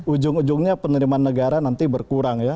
ujung ujungnya penerimaan negara nanti berkurang ya